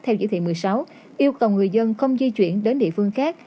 theo chỉ thị một mươi sáu yêu cầu người dân không di chuyển đến địa phương khác